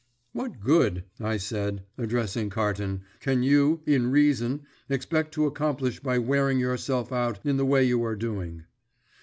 "What good," I said, addressing Carton, "can you, in reason, expect to accomplish by wearing yourself out in the way you are doing?"